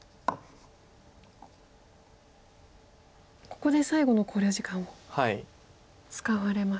ここで最後の考慮時間を使われました。